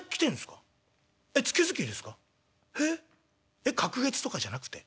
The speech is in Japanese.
え隔月とかじゃなくて？